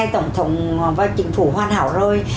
tổng và chính phủ hoàn hảo rồi